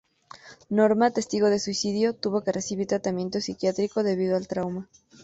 Norma, testigo del suicidio, tuvo que recibir tratamiento psiquiátrico debido al trauma.